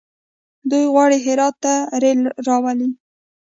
دوی غواړي هرات ته ریل راولي.